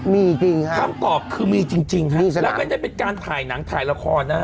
มีจริงฮะคำตอบคือมีจริงจริงฮะนี่สนามแล้วก็จะเป็นการถ่ายหนังถ่ายละครนะฮะ